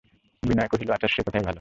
বিনয় কহিল, আচ্ছা, সেই কথাই ভালো।